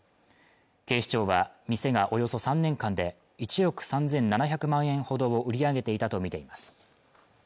警視庁は店がおよそ３年間で１億３７００万円ほど売り上げていたとみています